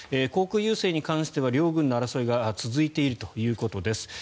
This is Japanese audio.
航空優勢に関しては両軍の争いが続いているということです。